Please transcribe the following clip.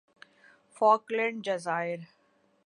Falkland جزائر